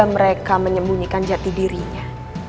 mereka menyembunyikan jati dirinya